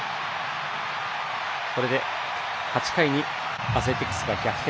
これで、８回にアスレティックスが逆転。